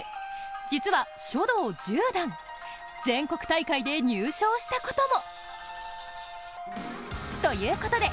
実は書道十段、全国大会で入賞したことも。